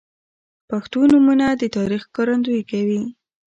• پښتو نومونه د تاریخ ښکارندویي کوي.